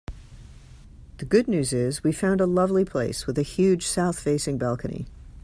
The good news is we found a lovely place with a huge south-facing balcony.